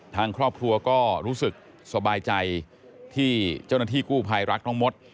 ทางครอบครัวก็รู้สึกสบายใจที่เจ้าหน้าที่กู้ภัยรักน้องมด